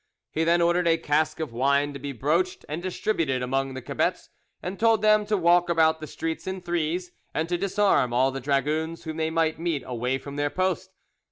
He then ordered a cask of wine to be broached and distributed among the cebets, and told them to walk about the streets in threes, and to disarm all the dragoons whom they might meet away from their post.